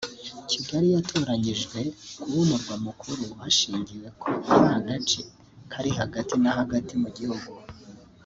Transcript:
Kigali yatoranyirijwe kuba Umurwa Mukuru hashingiwe ko ari agace kari hagati na hagati mu gihugu